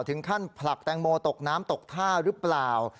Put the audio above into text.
ผลักแตงโมตกน้ำตกท่าหรือเปล่า